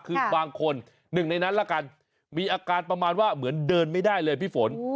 คือบางคนหนึ่งในนั้นละกันมีอาการประมาณว่าเหมือนเดินไม่ได้เลยพี่ฝน